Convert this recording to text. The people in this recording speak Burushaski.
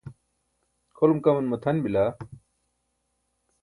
kʰolum kaman matʰan bila